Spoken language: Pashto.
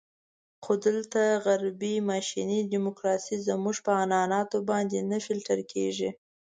خو دلته غربي ماشیني ډیموکراسي زموږ په عنعناتو باندې نه فلتر کېږي.